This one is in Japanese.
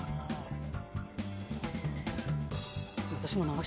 私も。